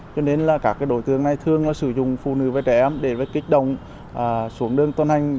cho nên là các đối tượng này thường là sử dụng phụ nữ và trẻ em để kích động xuống đường tuần hành